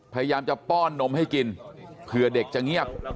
พยายามจะป้อนนมให้กินเผื่อเด็กจะเงียบ